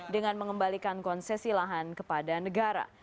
dengan mengembalikan konses silahan kepada negara